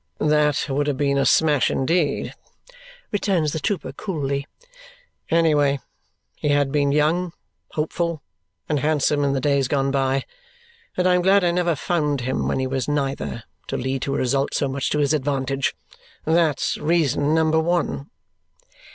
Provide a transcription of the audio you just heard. "That would have been a smash indeed," returns the trooper coolly; "any way, he had been young, hopeful, and handsome in the days gone by, and I am glad I never found him, when he was neither, to lead to a result so much to his advantage. That's reason number one."